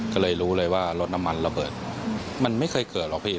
ก็เลยรู้เลยว่ารถน้ำมันระเบิดมันไม่เคยเกิดหรอกพี่